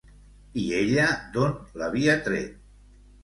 I ella d'on l'havia tret?